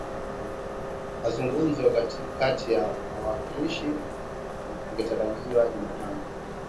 Mazungumzo kati ya wawakilishi yangetarajiwa Jumatano